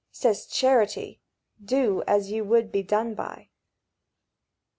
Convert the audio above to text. Says Charity, Do as ye would be done by."